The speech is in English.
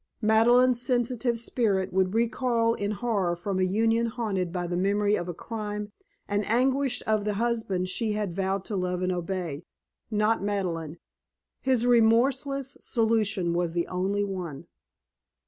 Madeleine's sensitive spirit would recoil in horror from a union haunted by the memory of the crime and anguish of the husband she had vowed to love and obey. Not Madeleine! His remorseless solution was the only one.